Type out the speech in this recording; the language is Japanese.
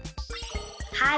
はい！